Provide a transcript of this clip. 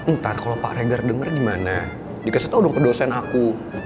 ntar kalau pak reger denger gimana dikasih tau dong kedosen aku